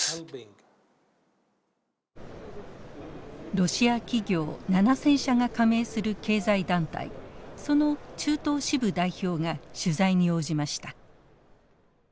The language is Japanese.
ロシア企業７，０００社が加盟する経済団体その中東支部代表が取材に応じました。